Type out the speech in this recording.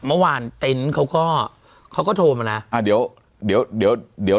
เมื่อวานเต้นเขาก็เขาก็โทรมานะอ่ะเดี๋ยวเดี๋ยวเดี๋ยว